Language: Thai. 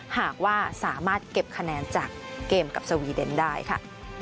หากว่าสามารถเก็บคะแนนจากเกมกับสวีเดนได้ค่ะ